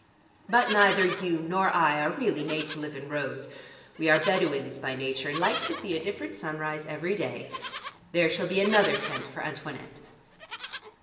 But neither you nor I are really made to live in rows. We are Bedouins by nature, and like to see a different sunrise every day. There shall be another tent for Antoinette."